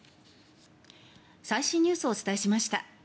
最新ニュースをお伝えしました。